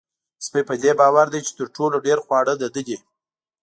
سپی په دې باور دی چې تر ټولو ډېر خواړه د ده دي.